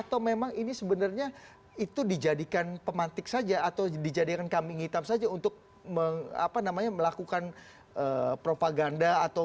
atau memang ini sebenarnya itu dijadikan pemantik saja atau dijadikan kambing hitam saja untuk melakukan propaganda